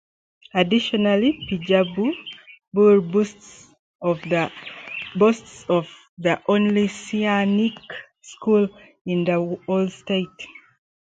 Additionally Bijapur boasts of the only Sainik school in the whole state.